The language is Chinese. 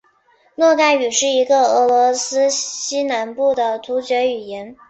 诺盖语是一个俄罗斯西南部的突厥语言。